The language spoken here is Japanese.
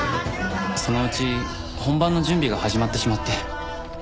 そのうち本番の準備が始まってしまって。